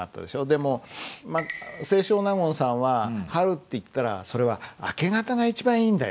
でも清少納言さんは「春っていったらそれは明け方が一番いいんだよ」。